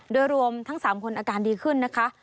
โดยรวมทั้ง๓คนอาการดีขึ้นนะคะ